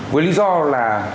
với lý do là